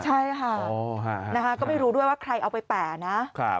ใช่ค่ะนะคะก็ไม่รู้ด้วยว่าใครเอาไปแปะนะ